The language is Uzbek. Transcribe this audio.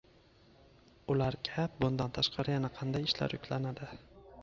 Ularga bundan tashqari yana qanday ishlar yuklanadi?